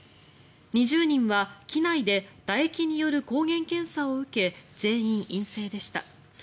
２０人は機内でだ液による抗原検査を受け全員、陰性でした。